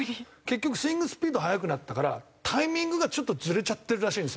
結局スイングスピード速くなったからタイミングがちょっとずれちゃってるらしいんですよ